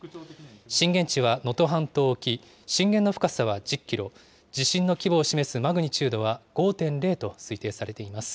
震源地は能登半島沖、震源の深さは１０キロ、地震の規模を示すマグニチュードは５．０と推定されています。